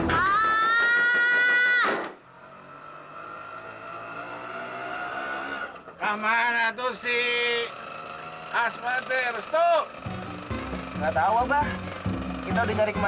terus kemana tuh resto